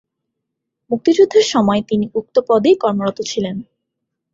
মুক্তিযুদ্ধের সময় তিনি উক্ত পদেই কর্মরত ছিলেন।